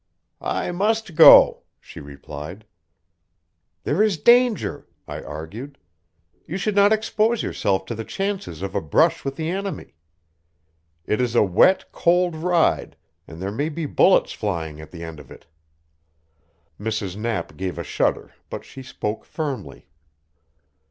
"I must go," she replied. "There is danger," I argued. "You should not expose yourself to the chances of a brush with the enemy. It is a wet, cold ride, and there may be bullets flying at the end of it." Mrs. Knapp gave a shudder, but she spoke firmly.